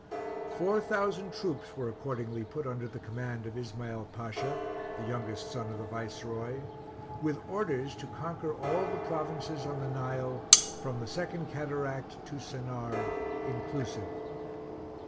Four thousand troops were accordingly put under the command of Ismael Pasha, the youngest son of the Viceroy, with orders to conquer all the provinces on the Nile, from the Second Cataract to Sennaar inclusive.